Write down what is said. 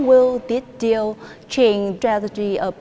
vì vậy đây là cách chúng ta sẽ làm